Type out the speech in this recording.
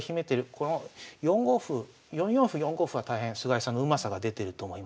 この４五歩４四歩４五歩は大変菅井さんのうまさが出てると思いますね。